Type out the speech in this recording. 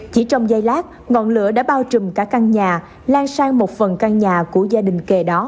chỉ trong giây lát ngọn lửa đã bao trùm cả căn nhà lan sang một phần căn nhà của gia đình